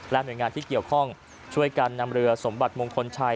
หน่วยงานที่เกี่ยวข้องช่วยกันนำเรือสมบัติมงคลชัย